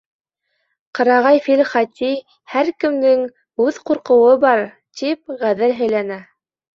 — Ҡырағай фил Хати, «һәр кемдең үҙ ҡурҡыуы бар» тип, ғәҙел һөйләнә.